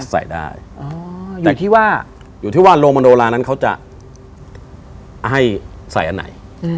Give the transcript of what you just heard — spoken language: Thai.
ใส่ได้อยู่ที่ว่าโรงมโนรานั้นเขาจะให้ใส่อันไหน